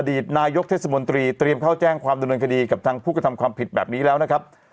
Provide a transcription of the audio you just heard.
ตนายกเทศมนตรีเตรียมเข้าแจ้งความดำเนินคดีกับทางผู้กระทำความผิดแบบนี้แล้วนะครับ